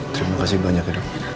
terima kasih banyak ya dokter